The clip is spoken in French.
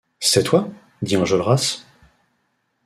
C’est toi, dit Enjolras.